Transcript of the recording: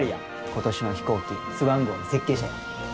今年の飛行機スワン号の設計者や。